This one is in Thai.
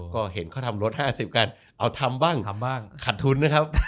ก็เห็นเขาทำลด๕๐กันเอาทำบ้างขัดทุนนะครับ